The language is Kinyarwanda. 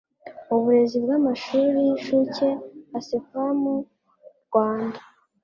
Uburezi bw amashuri y inshuke A C E PA MU Rwanda